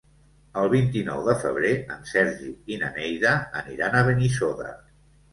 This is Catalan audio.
El vint-i-nou de febrer en Sergi i na Neida aniran a Benissoda.